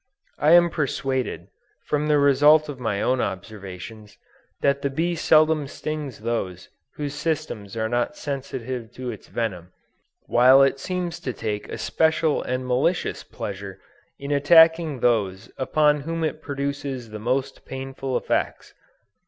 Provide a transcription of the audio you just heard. I am persuaded, from the result of my own observation, that the bee seldom stings those whose systems are not sensitive to its venom, while it seems to take a special and malicious pleasure in attacking those upon whom it produces the most painful effects!